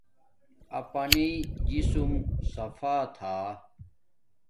اپنݵ جسم صفا تھا